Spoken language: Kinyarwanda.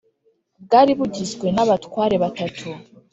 bwari bugizwe n abatware batatu